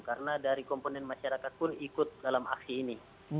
karena dari komponen masyarakat pun ikut dalam aksi ini